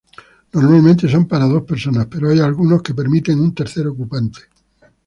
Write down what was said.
Normalmente son para dos personas, pero hay algunos que permiten un tercer ocupante.